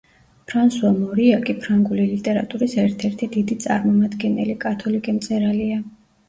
ფრანსუა მორიაკი, ფრანგული ლიტერატურის ერთ-ერთი დიდი წარმომადგენელი, კათოლიკე მწერალია.